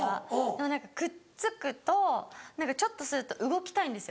でもくっつくとちょっとすると動きたいんですよ。